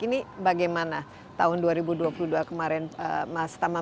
ini bagaimana tahun dua ribu dua puluh dua kemarin mas tama